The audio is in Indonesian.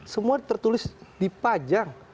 semua tertulis di pajang